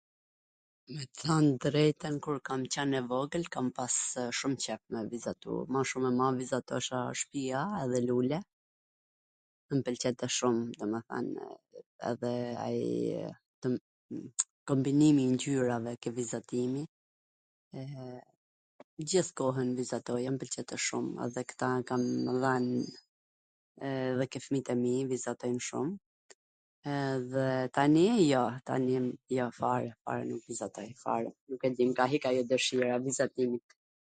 Me than t drejtwn, kur kam qwn e vogwl, kam pasw shum qef me vizatu. mw shum ama vizatosha shpija edhe lule, mw pwlqente shumdomethan edhe ai kombinimii ngjyrave ke vizatimi, eee gjith kohwn vizatoja, mw pwlqente shum dhe ktw e kam dhan edhe ke fmijt e mi, vizatojn shum, edhe tani jo, tani jo, fare, fare, nuk vizatoj fare, dhe mw ka hik ajo dwshira e vizatimit.